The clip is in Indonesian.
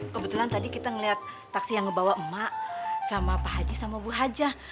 kebetulan tadi kita ngeliat taksi yang ngebawa emak sama pak haji sama bu hajah